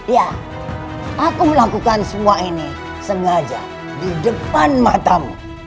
ya aku melakukan semua ini sengaja di depan matamu